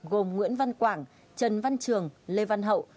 gồm nguyễn văn quảng trần văn trường lê văn hậu